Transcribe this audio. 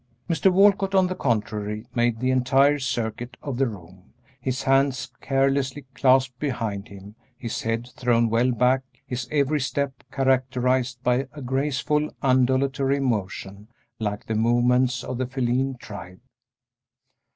Mr. Walcott, on the contrary, made the entire circuit of the room, his hands carelessly clasped behind him, his head thrown well back, his every step characterized by a graceful, undulatory motion, like the movements of the feline tribe.